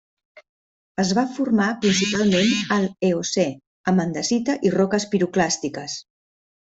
Es va formar principalment a l'Eocè amb andesita i roques piroclàstiques.